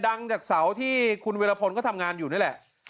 ดังจากเสาที่คุณวิรพลก็ทำงานอยู่นี่แหละ